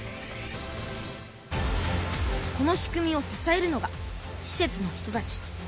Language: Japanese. この仕組みをささえるのがしせつの人たち。